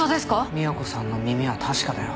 三代子さんの耳は確かだよ。